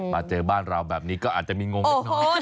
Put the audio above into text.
แต่เจอบ้านเราแบบนี้ก็อาจจะมีงงนิดนึง